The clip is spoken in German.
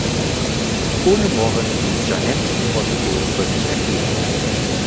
Ohne Murren ließ Jeanette die Prozedur über sich ergehen.